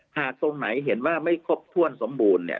ตรงไหนเห็นว่าไม่ครบถ้วนสมบูรณ์เนี่ย